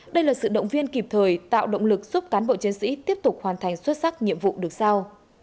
đây là sự động viên kịp thời tạo động lực giúp cán bộ chiến sĩ tiếp tục hoàn thành xuất sắc nhiệm vụ được sao